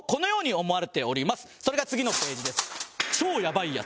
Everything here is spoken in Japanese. それが次のページです。